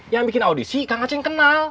yang bikin audisi kang aceh yang kenal